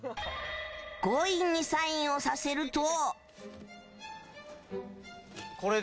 強引にサインをさせると。